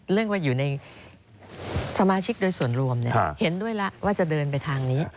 เรียกว่าอยู่ในสมาชิกโดยส่วนรวมเห็นด้วยแล้วว่าจะเดินไปทางนี้